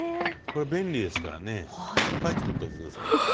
これ便利ですからねいっぱい作っておいて下さい。